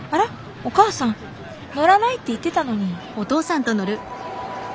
お母さん乗らないって言ってたのに。